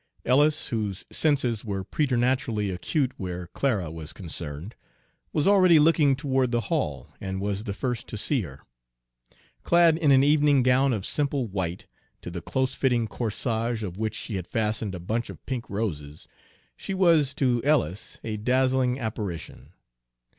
Ellis, whose senses were preternaturally acute where Clara was concerned, was already looking toward the hall and was the first to see her. Clad in an evening gown of simple white, to the close fitting corsage of which she had fastened a bunch of pink roses, she was to Ellis a dazzling apparition.